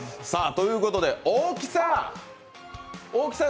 ということで、大木さん